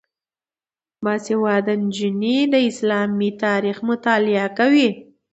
باسواده نجونې د اسلامي تاریخ مطالعه کوي.